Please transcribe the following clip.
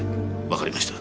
わかりました。